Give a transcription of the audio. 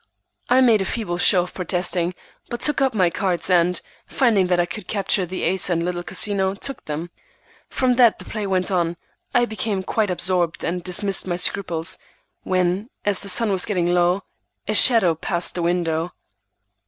I made a feeble show of protesting, but took up my cards, and, finding that I could capture the ace and little Casino, took them. From that the play went on; I became quite absorbed, and dismissed my scruples, when, as the sun was getting low, a shadow passed the window.